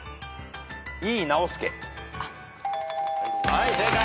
はい正解。